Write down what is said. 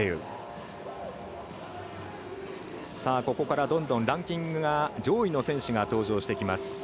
ここからどんどんランキング上位の選手が登場してきます。